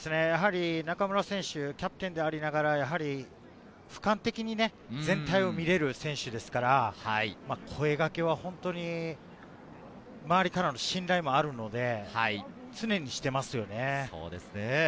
中村選手はキャプテンでありながら、俯瞰的に全体を見られる選手ですから、声掛けは本当に周りからの信頼もあるので、常にしていますよね。